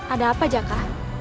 ada apa jaka